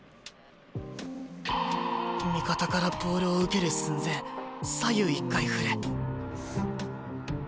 味方からボールを受ける寸前左右一回振る。